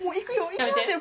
行きますよ